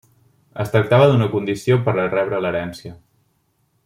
Es tractava d'una condició per a rebre l'herència.